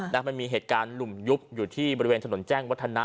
มันมีเหตุการณ์หลุมยุบอยู่ที่บริเวณถนนแจ้งวัฒนะ